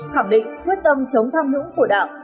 khẳng định quyết tâm chống tham nhũng của đảng